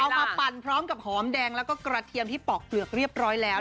มาปั่นพร้อมกับหอมแดงแล้วก็กระเทียมที่ปอกเปลือกเรียบร้อยแล้ว